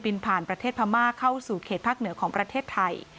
ผ่านประเทศพม่าเข้าสู่เขตภาคเหนือของประเทศไทย